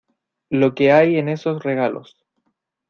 Lo que hay en esos regalos.